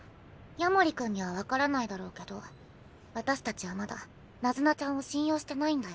夜守君には分からないだろうけど私たちはまだナズナちゃんを信用してないんだよ。